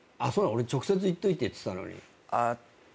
俺直接言っといてっつったのに。